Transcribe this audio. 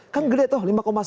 kan gede tuh lima satu